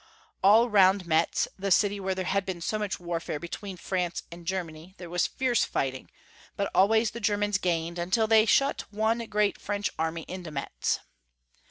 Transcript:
All round Metz, the city where there had been so much warfare between France and Germany, there was fierce fighting, but al ways the Germans gained, until they had shut one great French army into Metz.